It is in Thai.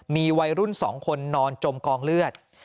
มีวัยรุ่น๒คนนอนจมกองเลือด